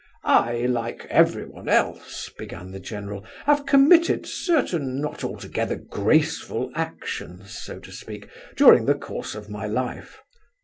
"I, like everyone else," began the general, "have committed certain not altogether graceful actions, so to speak, during the course of my life.